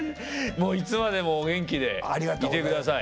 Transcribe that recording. もういつまでもお元気でいてください。